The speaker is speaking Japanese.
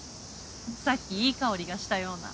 さっきいい香りがしたような。